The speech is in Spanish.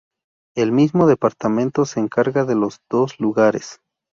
El mismo departamento se encarga de los dos lugares.